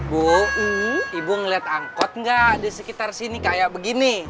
bu ibu ngelihat angkot nggak di sekitar sini kayak begini